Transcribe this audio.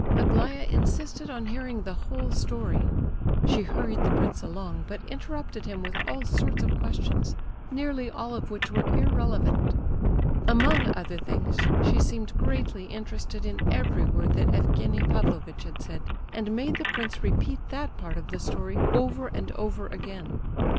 Aglaya insisted on hearing the whole story. She hurried the prince along, but interrupted him with all sorts of questions, nearly all of which were irrelevant. Among other things, she seemed greatly interested in every word that Evgenie Pavlovitch had said, and made the prince repeat that part of the story over and over again.